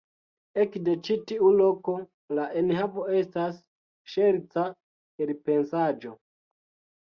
Ekde ĉi tiu loko la enhavo estas ŝerca elpensaĵo.